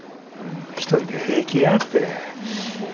一人で平気やて。